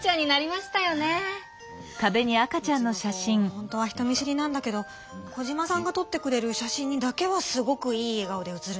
ほんとは人見知りなんだけどコジマさんがとってくれる写真にだけはすごくいいえがおで写るのよね。